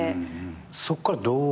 そっからどう。